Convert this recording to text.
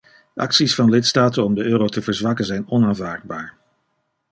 Acties van lidstaten om de euro te verzwakken zijn onaanvaardbaar.